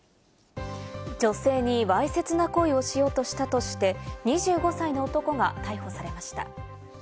女性にわいせつな行為をしようとしたとして２５歳の男が逮捕されました。